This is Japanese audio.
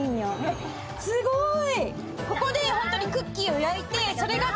すごーい！